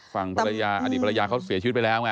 ฝั่งปริญญาอันนี้ปริญญาเขาเสียชีวิตไปแล้วไง